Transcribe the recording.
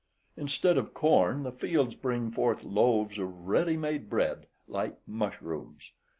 Instead of corn the fields bring forth loaves of ready made bread, like mushrooms.